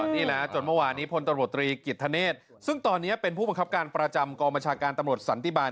นี่แหละจนเมื่อวานนี้พลตำรวจตรีกิจธเนศซึ่งตอนนี้เป็นผู้บังคับการประจำกองบัญชาการตำรวจสันติบาล